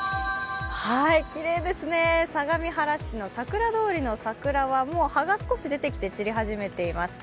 きれいですね、相模原市のさくら通りの桜はもう葉が少し出てきて、散り始めています。